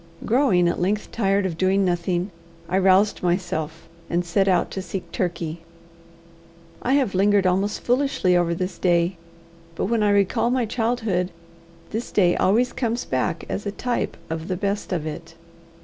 Growing at length tired of doing nothing, I roused myself, and set out to seek Turkey. I have lingered almost foolishly over this day. But when I recall my childhood, this day always comes back as a type of the best of it.